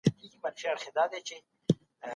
درناوی له سپکاوي څخه ډېر ښه دی.